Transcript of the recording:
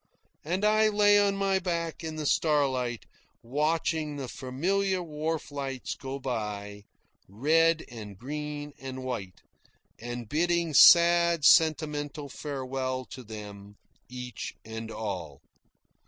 And I lay on my back in the starlight, watching the familiar wharf lights go by, red and green and white, and bidding sad sentimental farewell to them, each and all.